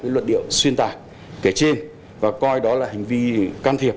luật điệu xuyên tạc kể trên và coi đó là hành vi can thiệp